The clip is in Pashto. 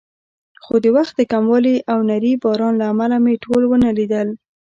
خو د وخت د کموالي او نري باران له امله مې ټول ونه لیدل.